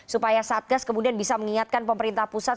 supaya saat gas kemudian bisa mengingatkan pemerintah pusat